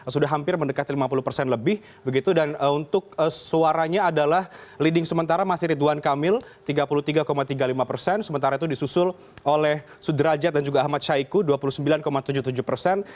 sudah hampir mendekati lima puluh persen lebih begitu dan untuk suaranya adalah leading sementara masih ridwan kamil tiga puluh tiga tiga puluh lima persen sementara itu disusul oleh sudrajat dan juga ahmad syaiqo dua puluh sembilan tujuh puluh tujuh persen